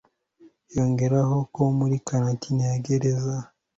yongeraho ko muri karantine ya gereza